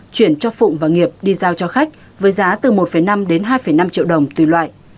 chuyển cho phụng và nghiệp đi giao cho khách với giá từ một năm đến hai năm triệu đồng tùy loại